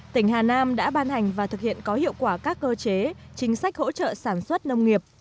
tỉnh hà nam đã ban hành và thực hiện có hiệu quả các cơ chế chính sách hỗ trợ sản xuất nông nghiệp